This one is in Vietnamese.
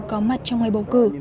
có mặt trong ngày bầu cử